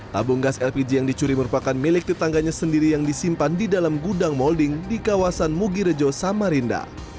tabung gas lpg yang dicuri merupakan milik tetangganya sendiri yang disimpan di dalam gudang molding di kawasan mugirejo samarinda